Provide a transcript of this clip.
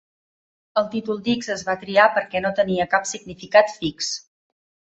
El títol d'"X" es va triar perquè no tenia cap significat fix.